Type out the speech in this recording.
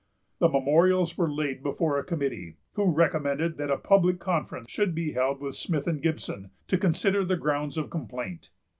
The memorials were laid before a committee, who recommended that a public conference should be held with Smith and Gibson, to consider the grounds of complaint.